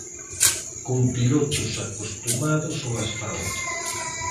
Con pilotos acostumados ao asfalto.